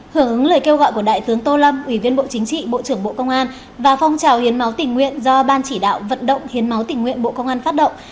hưởng ứng lời kêu gọi của đại tướng tô lâm ủy viên bộ chính trị bộ trưởng bộ công an và phong trào hiến máu tình nguyện do ban chỉ đạo vận động hiến máu tỉnh nguyện bộ công an phát động